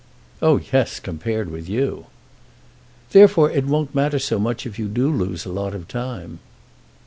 "Oh yes, compared with you!" "Therefore it won't matter so much if you do lose a lot of time."